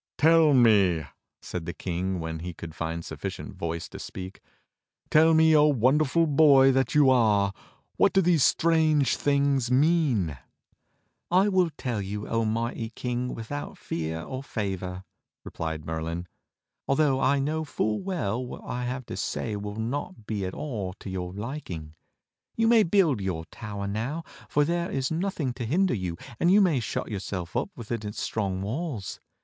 "Tell me," said the King when he could find suflicient voice to speak, "Tell me, O wonderful boy that you are, wdiat do these strange things mean.?*" "I will tell you, O mighty King, without fear or favor," replied Merlin, "although I know full w^ell that W'hat I have to say will not be at all to your liking. You may build your tow^er now% for there is nothing to hinder you; and you may shut yourself up within its strong walls.